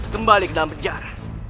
kembali ke dalam penjara